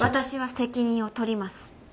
私は責任を取ります。